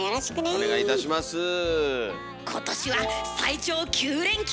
今年は最長９連休！